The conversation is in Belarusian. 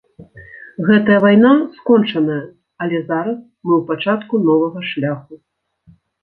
Гэтая вайна скончаная, але зараз мы ў пачатку новага шляху.